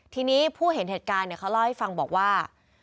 ทีนี้ผู้เห็นเหตุการณ์เขาเล่าให้ฟังบอกว่า